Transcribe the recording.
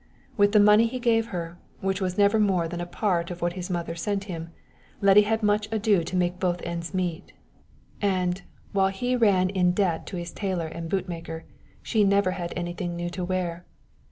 With the money he gave her, which was never more than a part of what his mother sent him, Letty had much ado to make both ends meet; and, while he ran in debt to his tailor and bootmaker, she never had anything new to wear.